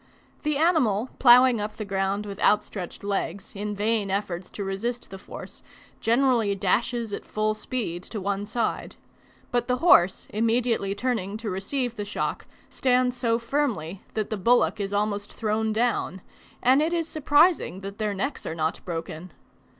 The animal ploughing up the ground with outstretched legs, in vain efforts to resist the force, generally dashes at full speed to one side; but the horse immediately turning to receive the shock, stands so firmly that the bullock is almost thrown down, and it is surprising that their necks are not broken.